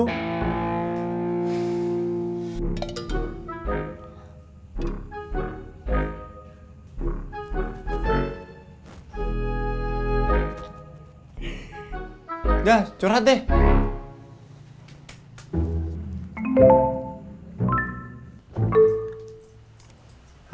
udah curhat deh